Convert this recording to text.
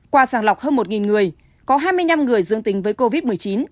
qua sàng lọc hơn một người có hai mươi năm người dương tính với covid một mươi chín